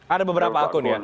ada beberapa akun ya